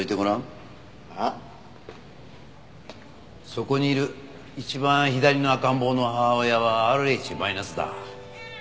そこにいる一番左の赤ん坊の母親はＲｈマイナスだ。